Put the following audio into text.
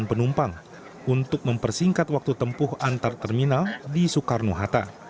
penumpang untuk mempersingkat waktu tempuh antar terminal di soekarno hatta